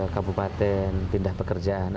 kabupaten pindah pekerjaan